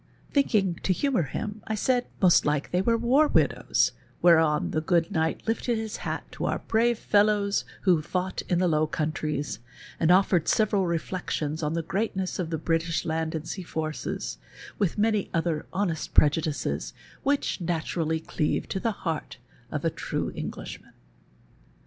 Thinking to humour him, I said most like they were war widows, whereon the gofxl knight lifted his hat to our brave fellows who fought in the Low Countries, and offered several rellections on the greatness o( the liritish land and sea forces, with many other honest prejudices which naturally cleave to the heart of a true Englishman.